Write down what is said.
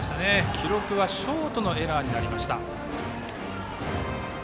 記録はショートのエラーになりました。